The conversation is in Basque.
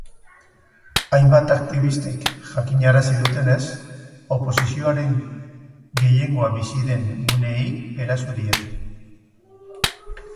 Hainbat aktibistak jakinarazi dutenez, oposizioaren gehiengoa bizi den guneei eraso diete.